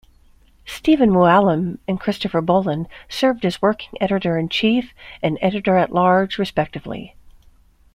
Stephen Mooallem and Christopher Bollen served as the working editor-in-chief and editor-at-large, respectively.